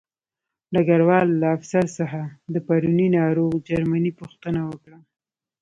ډګروال له افسر څخه د پرونۍ ناروغ جرمني پوښتنه وکړه